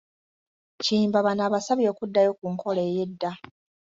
Kiyimba bano abasabye okuddayo ku nkola ey’edda